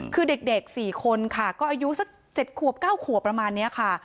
คือเด็กเด็กสี่คนค่ะก็อายุสักเจ็ดขวบเก้าขวบประมาณเนี้ยค่ะ